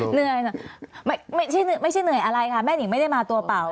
เหนื่อยไม่ใช่เหนื่อยอะไรค่ะแม่นิงไม่ได้มาตัวเปล่า